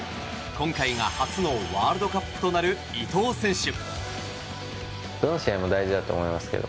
今回が初のワールドカップとなる伊東選手。